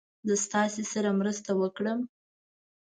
زه ستاسې سره مرسته وکړم.